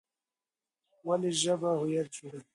ولې ژبه هویت جوړوي؟